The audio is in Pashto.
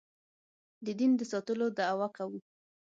د دین د ساتلو دعوه کوو.